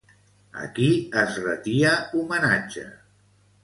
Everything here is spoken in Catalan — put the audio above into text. A qui es retia homenatge?